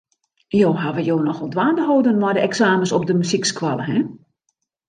Jo hawwe jo nochal dwaande holden mei de eksamens op dy muzykskoallen, hin.